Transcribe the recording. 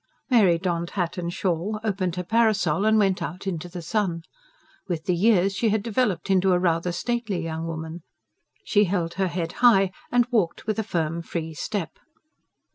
Mary donned hat and shawl, opened her parasol and went out into the sun. With the years she had developed into rather a stately young woman: she held her head high and walked with a firm, free step.